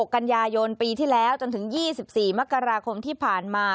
กันยายนปีที่แล้วจนถึง๒๔มกราคมที่ผ่านมา